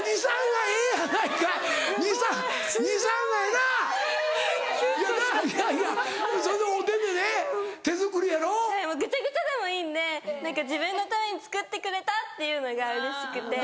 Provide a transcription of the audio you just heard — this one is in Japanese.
はいもうぐちゃぐちゃでもいいんで何か自分のために作ってくれたっていうのがうれしくて。